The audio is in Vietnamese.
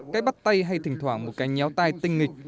cái bắt tay hay thỉnh thoảng một cái nhéo tay tinh nghịch